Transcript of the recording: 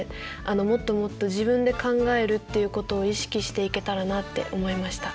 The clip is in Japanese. もっともっと自分で考えるっていうことを意識していけたらなって思いました。